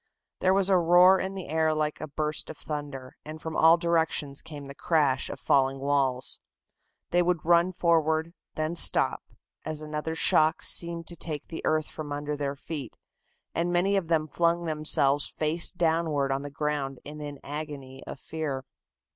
There was a roar in the air like a burst of thunder, and from all directions came the crash of falling walls. They would run forward, then stop, as another shock seemed to take the earth from under their feet, and many of them flung themselves face downward on the ground in an agony of fear.